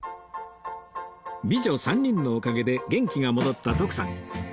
美女３人のおかげで元気が戻った徳さん